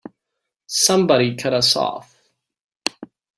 Somebody cut us off!